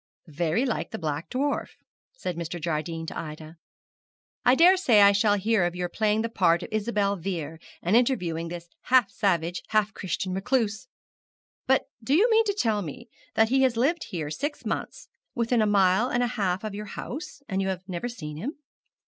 'Very like the Black Dwarf,' said Mr. Jardine to Ida. 'I daresay I shall hear of your playing the part of Isabella Vere, and interviewing this half savage, half Christian recluse. But do you mean to tell me that he has lived here six months, within a mile and a half of your house, and you have never seen him?'